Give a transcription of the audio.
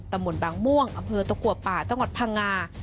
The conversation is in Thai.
ตมบางม่วงอตกป่าจังหวัดพังงา